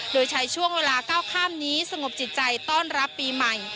โดยใช้ช่วงเวลาก้าวข้ามนี้สงบจิตใจต้อนรับปีใหม่